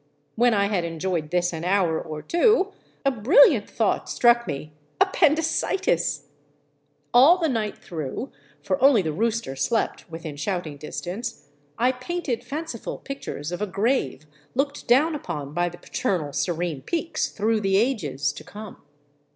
When I had enjoyed this an hour or two, a brilliant thought struck me, — appendicitis ! All the night through — for only the rooster slept within shouting distance — I painted fanciful pictures of a grave looked down upon by the paternal, serene peaks through the ages to come.